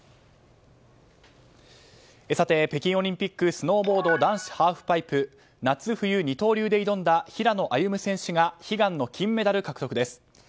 北京オリンピックスノーボード男子ハーフパイプ夏冬二刀流で挑んだ平野歩夢選手が悲願の金メダル獲得です。